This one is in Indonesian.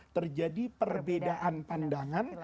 terjadi perbedaan pandangan